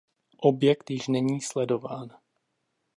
Objekt již není sledován.